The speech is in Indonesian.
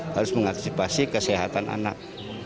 harus mengaktifasi kesehatan anak